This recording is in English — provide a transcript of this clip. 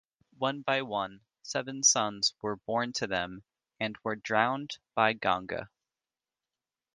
One by one, seven sons were born to them and were drowned by Ganga.